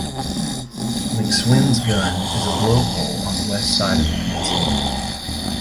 McSwyne's Gun is a blow hole on the west side of the peninsula.